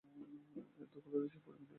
এর দখলে রয়েছে পরিমিত স্থান।